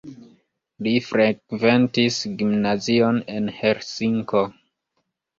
Li frekventis gimnazion en Helsinko.